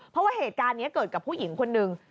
เพราะว่าเหตุการณ์นี้เกิดกับผู้หญิงคนหนึ่ง